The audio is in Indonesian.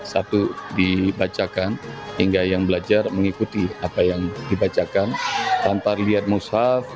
satu dibacakan hingga yang belajar mengikuti apa yang dibacakan antar liar mushaf